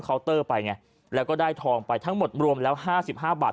เคาน์เตอร์ไปไงแล้วก็ได้ทองไปทั้งหมดรวมแล้ว๕๕บาท